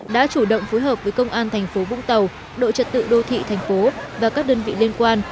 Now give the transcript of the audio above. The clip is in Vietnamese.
đã chủ động phối hợp với công an thành phố vũng tàu đội trật tự đô thị thành phố và các đơn vị liên quan